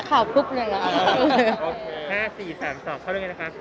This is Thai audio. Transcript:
๕๔๓๒เข้าเรื่องไงนะคะ